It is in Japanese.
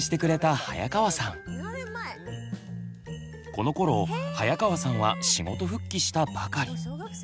このころ早川さんは仕事復帰したばかり。